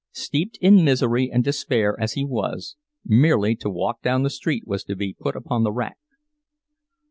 Steeped in misery and despair as he was, merely to walk down the street was to be put upon the rack.